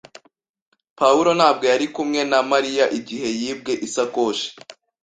Pawulo ntabwo yari kumwe na Mariya igihe yibwe isakoshi.